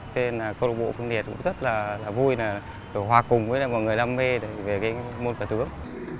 cho nên là câu lạc bộ phương liệt cũng rất là vui là được hòa cùng với mọi người đam mê về cái môn cả tướng